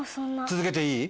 続けていい？